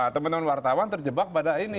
teman teman wartawan terjebak pada ini